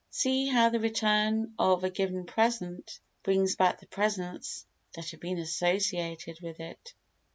See how the return of a given present brings back the presents that have been associated with it.